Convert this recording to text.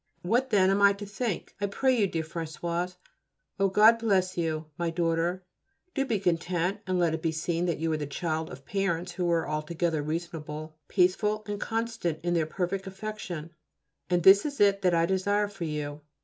What then am I to think, I pray you, dear Françoise? Oh! God bless you, my daughter; do be content and let it be seen that you are the child of parents who were altogether reasonable, peaceful, and constant in their perfect affection, and this it is that I desire for you.